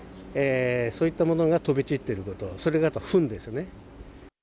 そういったものが飛び散ってること、それと、あと、ふんですね。